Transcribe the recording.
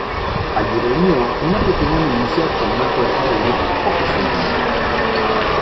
Allí reunió una pequeña milicia con una fuerza de unos pocos centenares.